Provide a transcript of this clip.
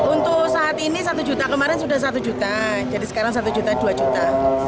untuk saat ini satu juta kemarin sudah satu juta jadi sekarang satu juta dua juta